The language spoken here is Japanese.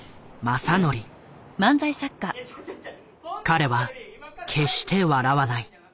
彼は決して笑わない。